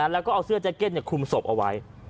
แล้วก็เอาเสื้อแจ็คเก็ตคุมศพเอาไว้